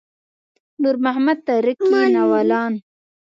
نور محمد تره کي ناولان.